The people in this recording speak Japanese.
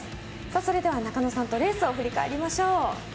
それでは中野さんとレースを振り返りましょう。